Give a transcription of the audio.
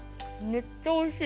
めっちゃおいしい。